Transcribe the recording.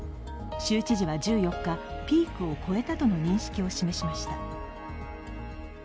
州知事は１４日、ピークを超えたとの認識を示しました。